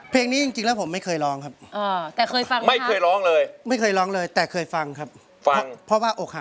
เพลงนี้จริงแล้วผมไม่เคยร้องครับแต่เคยฟังไม่เคยร้องเลยไม่เคยร้องเลยแต่เคยฟังครับฟังเพราะว่าอกหัก